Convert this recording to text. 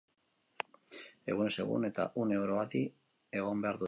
Egunez egun eta une oro adi egon behar dute.